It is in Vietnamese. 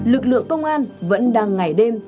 lực lượng công an vẫn đang ngày đêm